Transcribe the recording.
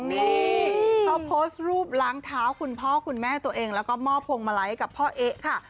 นี่เขาโพสต์รูปล้างเท้าคุณพ่อคุณแม่ตัวเองแล้วก็มอบพวงมาลัยให้กับพ่อเอ๊ะค่ะ